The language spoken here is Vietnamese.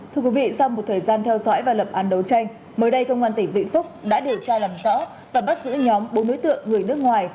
thưa quý vị sau một thời gian theo dõi và lập an đấu tranh mới đây công an tỉnh vĩnh phúc đã điều tra làm rõ và bắt giữ nhóm bốn đối tượng người nước ngoài